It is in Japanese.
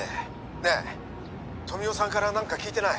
ねえ富生さんから何か聞いてない？